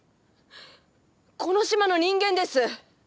この島の人間です。